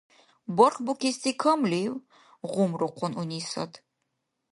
— Барх букести камлив? — гъумрухъун Унисат.